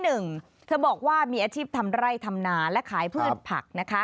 เธอบอกว่ามีอาชีพทำไร่ทำนาและขายพืชผักนะคะ